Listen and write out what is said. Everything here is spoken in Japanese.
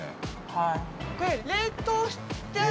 はい。